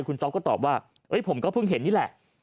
คุณจ๊อปก็ตอบว่าผมก็เพิ่งเห็นนี่แหละ